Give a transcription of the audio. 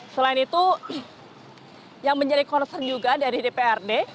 selain itu yang menjadi konsep juga dari dpr